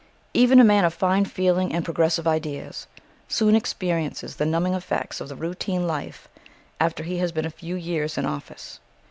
Even a man of fine feeling and progressive ideas soon experiences the numbing effects of the routine life after he has been a few years in office.